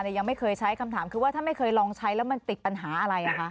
แต่ยังไม่เคยใช้คำถามคือว่าถ้าไม่เคยลองใช้แล้วมันติดปัญหาอะไร